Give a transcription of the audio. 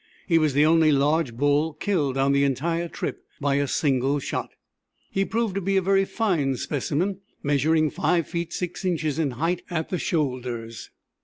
He was the only large bull killed on the entire trip by a single shot. He proved to be a very fine specimen, measuring 5 feet 6 inches in height at the shoulders.